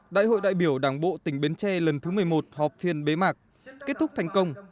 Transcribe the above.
đại hội đại biểu đảng bộ tỉnh bến tre lần thứ một mươi một họp phiên bế mạc kết thúc thành công